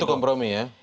bentuk kompromi ya